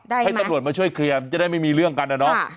ได้ไหมให้ตำรวจมาช่วยเคลียร์จะได้ไม่มีเรื่องกันอะเนอะ